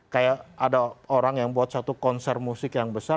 kayak ada orang yang buat satu konser musik yang besar